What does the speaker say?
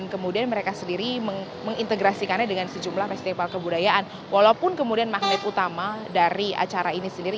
kemudian mereka sendiri mengintegrasikannya dengan sejumlah festival kebudayaan walaupun kemudian magnet utama dari acara ini sendiri